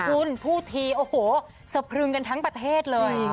คุณพูดทีโอ้โหสะพรึงกันทั้งประเทศเลย